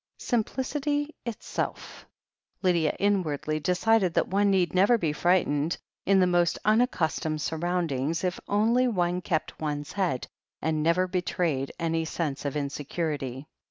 Simplicity itself! Lydia inwardly decided that one need never be frightened, in the most unaccustomed surroundings, if only one kept one's head and never betrayed any sense of insecurity.